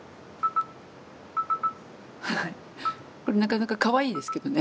これなかなかかわいいですけどね。